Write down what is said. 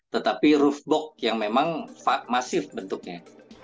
tetapi roof box yang memang masif bentuknya